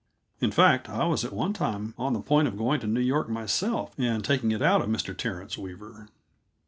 In fact, I was at one time on the point of going to New York myself and taking it out of Mr. Terence Weaver.